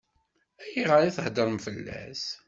Ayɣer i theddṛem fell-as?